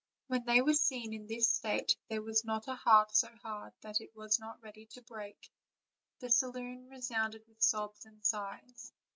When they were seen in this state there was not a heart so hard that it was not ready to break; the saloon re sounded with sobs and sighs.